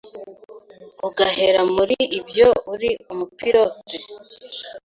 ugahera muri ibyo uri umupilote,